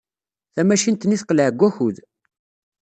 Tamacint-nni teqleɛ deg wakud.